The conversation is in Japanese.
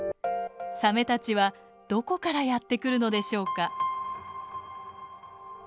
サメたちはどこからやってくるのでしょうか？